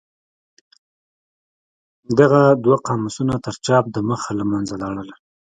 دغه دوه قاموسونه تر چاپ د مخه له منځه لاړل.